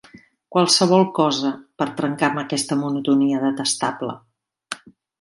Qualsevol cosa per trencar amb aquesta monotonia detestable.